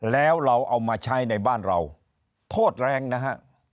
แล้วเราเอามาใช้ในบ้านเราโทษแรงนะฮะ